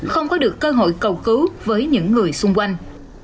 không có được cơ hội cầu cứu với những người xung quanh